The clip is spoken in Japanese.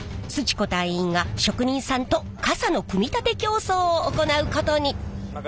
子隊員が職人さんと傘の組み立て競争を行うことに！